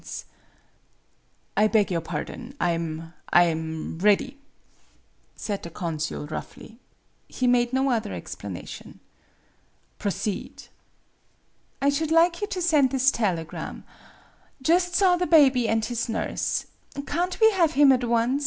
80 MADAME BUTTERFLY "I beg your pardon; I 'm I am ready " said the consul, roughly. He made no other explanation. "Proceed." " I should like you to send this telegram : 'Just saw the baby and his nurse. Can't we have him at once